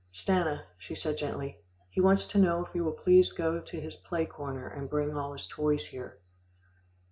"Stanna," she said gently, "he wants to know if you will please go to his play corner and bring all his toys here."